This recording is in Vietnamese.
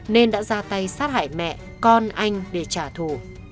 nên đã ra tay sát hại mẹ con anh để trả thù